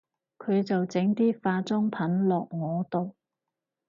佢就整啲化妝品落我度